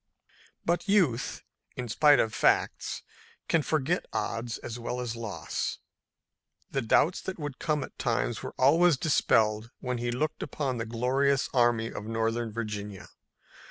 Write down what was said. But youth, in spite of facts, can forget odds as well as loss. The doubts that would come at times were always dispelled when he looked upon the glorious Army of Northern Virginia.